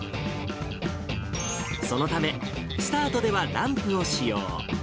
そのため、スタートではランプを使用。